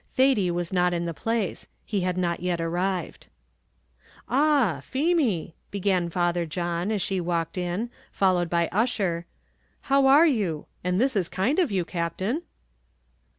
Thady was not in the place; he had not yet arrived. "Ah! Feemy," began Father John, as she walked in, followed by Ussher, "how are you? and this is kind of you, Captain."